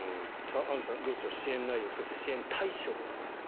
アンジュさんどうでしょう支援内容、そして支援対象ですが。